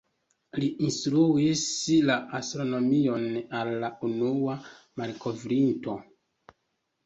Li instruis la astronomion al la unua malkovrinto.